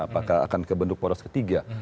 apakah akan ke bentuk poros ketiga